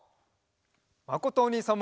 まことおにいさんも。